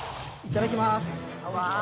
いただきます。